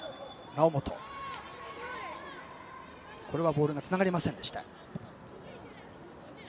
ボールがつながりませんでした。